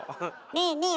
ねえねえ